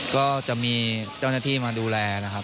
ก็จะมีเจ้าหน้าที่มาดูแล